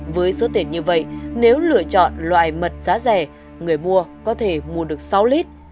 với số tiền như vậy nếu lựa chọn loại mật giá rẻ người mua có thể mua được sáu lít